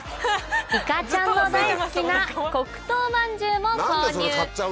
いかちゃんの大好きな黒糖まんじゅうも購入